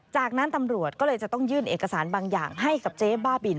จากนั้นตำรวจก็เลยจะต้องยื่นเอกสารบางอย่างให้กับเจ๊บ้าบิน